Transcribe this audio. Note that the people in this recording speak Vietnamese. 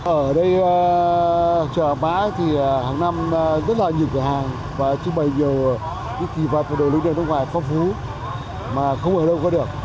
ở đây chợ hàng mã thì hàng năm rất là nhiều cửa hàng và trung bày nhiều cái kỳ vật của đồ lưu đường nước ngoài phong phú mà không ở đâu có được